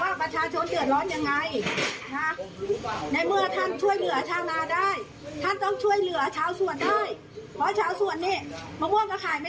ว่าประชาชนเจ็ดร้อนอย่างไรในเมื่อท่านช่วยเหลือชาวนาได้